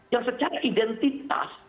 yang secara identitas